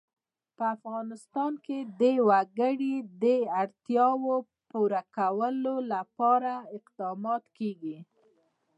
په افغانستان کې د وګړي د اړتیاوو پوره کولو لپاره اقدامات کېږي.